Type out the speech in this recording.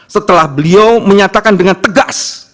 setelah beliau menyatakan dengan tegas